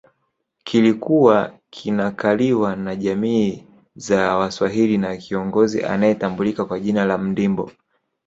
Kilikuwa kinakaliwa na jamii za Waswahili na kiongozi anayetambulika kwa jina la Mndimbo